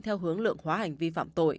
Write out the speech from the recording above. theo hướng lượng hóa hành vi phạm tội